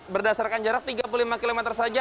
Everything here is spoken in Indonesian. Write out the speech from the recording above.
berdasarkan jarak tiga puluh lima km saja